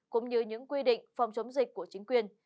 cũng như những quy định phòng chống dịch của chính quyền